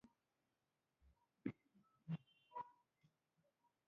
باز د تېروتنې امکان نه لري